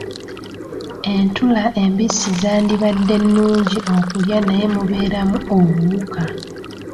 Entula embisi zandibadde nnungi kulya naye mubeeramu obuwuka.